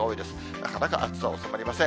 なかなか暑さ、収まりません。